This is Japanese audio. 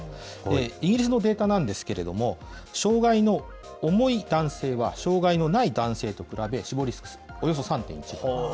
イギリスのデータなんですけれども、障害の重い男性は、障害のない男性と比べ、死亡率およそ３．１倍。